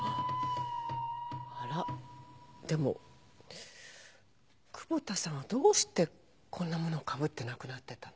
あらでも窪田さんはどうしてこんなものをかぶって亡くなってたの？